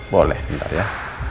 boleh nanti ya